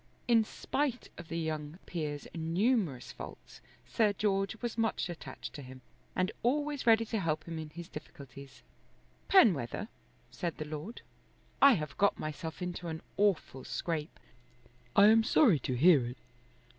In spite of the young peer's numerous faults Sir George was much attached to him, and always ready to help him in his difficulties. "Penwether," said the Lord, "I have got myself into an awful scrape." "I am sorry to hear it.